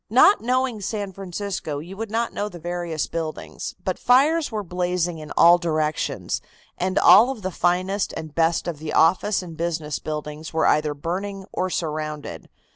"Not knowing San Francisco, you would not know the various buildings, but fires were blazing in all directions, and all of the finest and best of the office and business buildings were either burning or surrounded.